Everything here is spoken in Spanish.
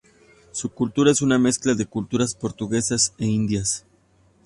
Su cultura es una mezcla de culturas portuguesas e indias.